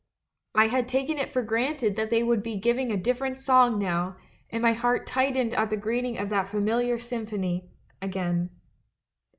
"I had taken it for granted that they would be giving a different song now — and my heart tightened at the greeting of that familiar sym phony again.